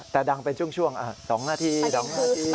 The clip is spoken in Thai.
แต่ดังเป็นช่วง๒นาที๒นาที